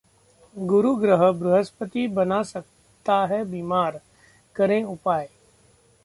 गुरु ग्रह बृहस्पति बना सकता है बीमार, करें उपाय